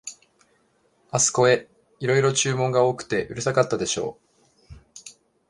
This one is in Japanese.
あすこへ、いろいろ注文が多くてうるさかったでしょう、